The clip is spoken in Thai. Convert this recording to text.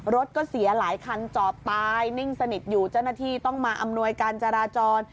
รถก็เสียหลายคันจอดตายนิ่งสนิทอยู่เจ้าหน้าที่ต้องมาอำนวยการจราจร